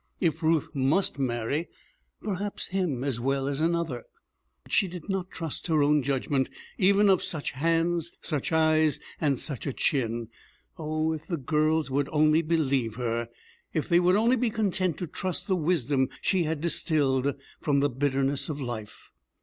If Ruth must marry, perhaps him as well as another. But she did not trust her own judgment, even of such hands, such eyes, and such a chin. Oh, if the girls would only believe her, if they would only be content to trust the wisdom she had distilled from the bitterness of life!